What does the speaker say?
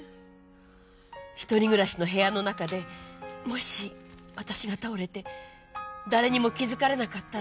一人暮らしの部屋の中でもし私が倒れて誰にも気づかれなかったら。